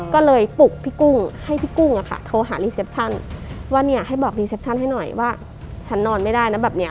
ก็เลยปลุกพี่กุ้งให้พี่กุ้งอะค่ะโทรหารีเซปชั่นว่าเนี่ยให้บอกรีเซปชั่นให้หน่อยว่าฉันนอนไม่ได้นะแบบนี้